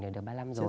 để được ba năm rồi